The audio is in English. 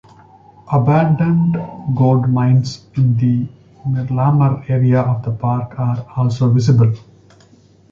Abandoned gold mines in the Miralamar area of the park are also visible.